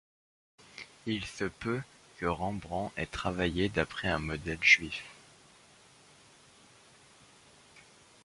Il se peut que Rembrandt ait travaillé d'après un modèle juif.